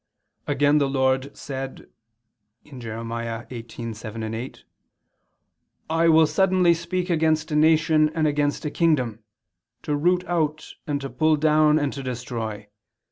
Again the Lord said (Jer. 18:7, 8): "I will suddenly speak against a nation and against a kingdom, to root out and to pull down and to destroy it.